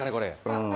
うん。